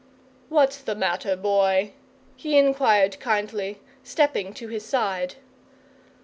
"What's the matter, Boy?" he inquired kindly, stepping to his side.